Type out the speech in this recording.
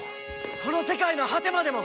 この世界の果てまでも！